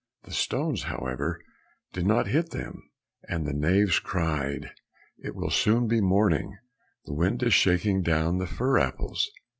The stones, however, did not hit them, and the knaves cried, "It will soon be morning, the wind is shaking down the fir apples."